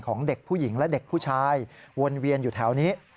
ของเด็กผู้หญิงและเด็กผู้ชายวนเวียนอยู่แถวนี้